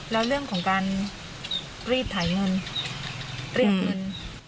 แล้วเรื่องของการรีดไถเงินเรียกเงิน